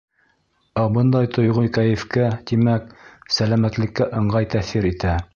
Ә бындай тойғо кәйефкә, тимәк, сәләмәтлеккә, ыңғай тәьҫир итә.